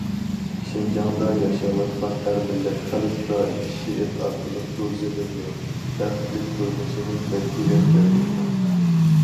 شىنجاڭدا ياشاۋاتقان ھەر مىللەت خەلق دائىم شېئىر ئارقىلىق بۇ زېمىننى، بەختلىك تۇرمۇشنى مەدھىيەلەپ كەلدى.